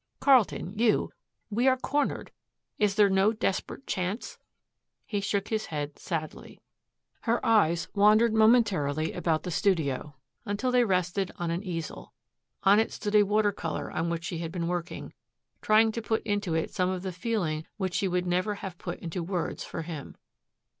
Carlton, you we are cornered. Is there no desperate chance?" He shook his head sadly. Her eyes wandered momentarily about the studio, until they rested on an easel. On it stood a water color on which she had been working, trying to put into it some of the feeling which she would never have put into words for him.